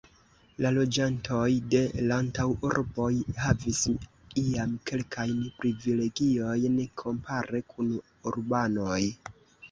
La loĝantoj de l' antaŭurboj havis iam kelkajn privilegiojn kompare kun urbanoj.